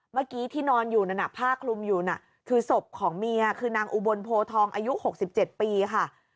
เมื่อกี้ที่นอนอยู่นั่นผ้าคลุมอยู่น่ะคือศพของเมียคือนางอุบลโพทองอายุ๖๗ปีค่ะ